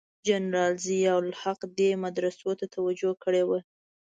جنرال ضیأ الحق دې مدرسو ته توجه کړې وه.